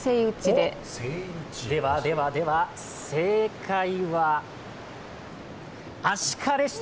では、では、では、正解はアシカでした。